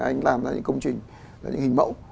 anh làm ra những công trình những hình mẫu